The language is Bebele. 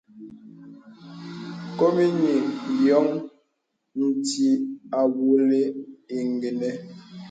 Kòm enīŋ yóŋ ntí àwolə ingənə.